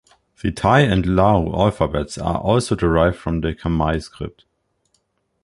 The Thai and Lao alphabets are also derived from the Khmer script.